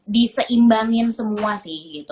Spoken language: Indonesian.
diseimbangin semua sih